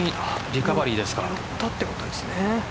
リカバリーでここに乗ったということですね。